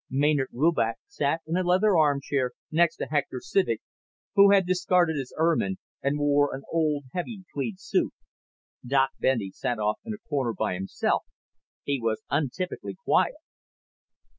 Maynard Rubach sat in a leather armchair next to Hector Civek, who had discarded his ermine and wore an old heavy tweed suit. Doc Bendy sat off in a corner by himself. He was untypically quiet.